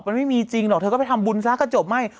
มันไม่มีจริงหรอกเธอก็ไปทำบุญซะก็จบไม่